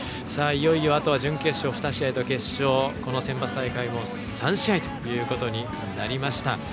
いよいよ、あとは準決勝２試合と決勝、このセンバツ大会も３試合ということになりました。